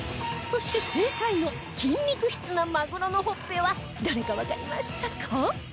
そして正解の筋肉質なマグロのほっぺはどれかわかりましたか？